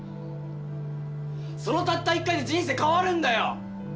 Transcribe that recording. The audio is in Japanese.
そのたった一回で人生変わるんだよ！